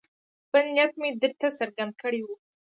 خپل نیت مې درته څرګند کړی وو.